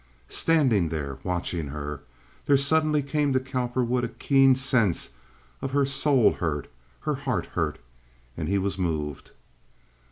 Standing there watching her, there suddenly came to Cowperwood a keen sense of her soul hurt, her heart hurt, and he was moved.